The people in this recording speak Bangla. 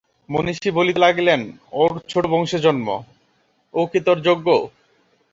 মহিষী বলিতে লাগিলেন, ওর ছোটো বংশে জন্ম, ও কি তোর যোগ্য?